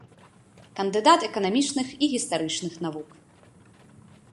Кандыдат эканамічных і гістарычных навук.